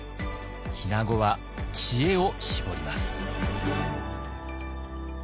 日名子は知恵を絞ります。